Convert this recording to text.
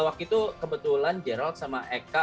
waktu itu kebetulan gerald sama eka